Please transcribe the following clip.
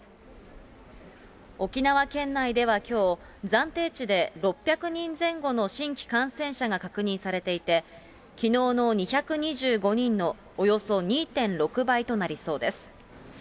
沖縄県内ではきょう、暫定値で６００人前後の新規感染者が確認されていて、きのうの２２５人のおよそ２．６倍となりそうです。